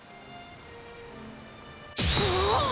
うわあっ！